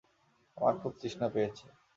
আমার খুব তৃষ্ণা পেয়েছে।